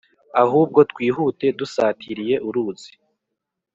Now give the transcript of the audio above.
ahubwo twihute dusatiriye uruzi